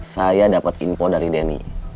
saya dapat info dari denny